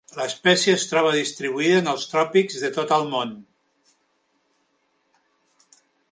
L'espècie es troba distribuïda en els tròpics de tot el món.